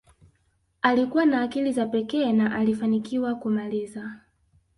alikuwa na akili za pekee na alifanikiwa kumaliza